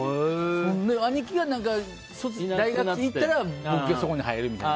兄貴が大学行ったら僕がそこに入るみたいな。